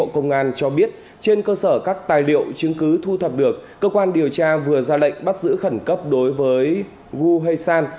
công an tp hcm cho biết trên cơ sở các tài liệu chứng cứ thu thập được cơ quan điều tra vừa ra lệnh bắt giữ khẩn cấp đối với gu heisan